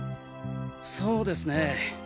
そうですね